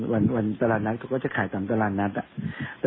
วันตลาดนัดเขาก็จะขายตามตลาดนัดอ่ะ